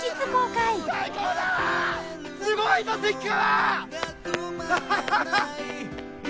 すごいぞ関川！